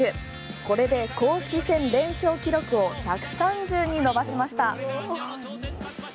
これで公式戦連勝記録を１３０に伸ばしました。